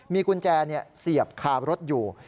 มีกุญแจเสียบคารถอยู่